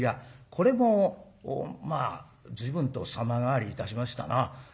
これもまあ随分と様変わりいたしましたな。